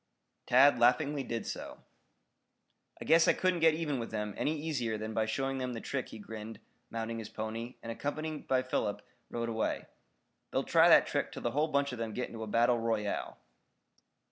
Tad laughingly did so. "I guess I couldn't get even with them any easier than by showing them the trick," he grinned, mounting his pony, and accompanied by Philip rode away. "They'll try that trick till the whole bunch of them get into a battle royal."